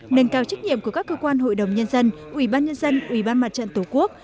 nâng cao trách nhiệm của các cơ quan hội đồng nhân dân ủy ban nhân dân ủy ban mặt trận tổ quốc